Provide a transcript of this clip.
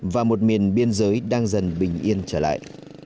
và một miền biên giới đang dần bình yên trở lại